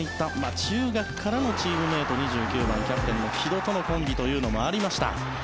中学からのチームメート２９番、キャプテン、城戸とのコンビというのもありました。